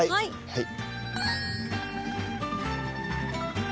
はい。